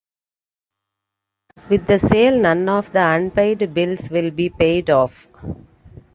With the sale, none of the unpaid bills will be paid off.